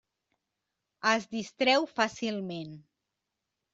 Es distreu fàcilment.